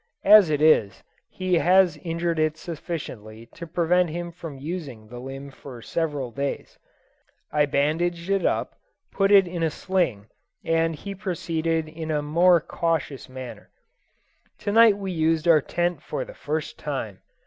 As it is, he has injured it sufficiently to prevent him from using the limb for several days. I bandaged it up, put it in a sling, and he proceeded in a more cautious manner. To night we used our tent for the first time.